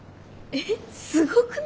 えっすごくない？